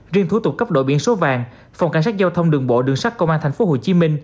riêng thủ tục cấp đổi biển số vàng phòng cảnh sát giao thông đường bộ đường sát công an tp hcm